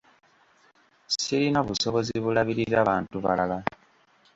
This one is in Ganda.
Sirina busobozi bulabirira bantu balala.